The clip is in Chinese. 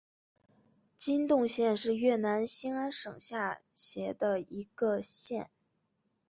金洞县是越南兴安省下辖的一个县。